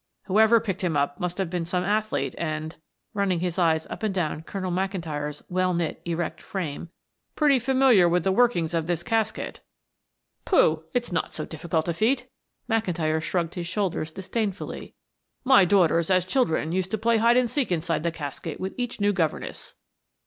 Whoever picked him up must have been some athlete, and" running his eyes up and down Colonel McIntyre's well knit, erect frame "pretty familiar with the workings of this casket." "Pooh! It's not so difficult a feat," McIntyre shrugged his shoulders disdainfully. "My daughters, as children, used to play hide and seek inside the casket with each new governess."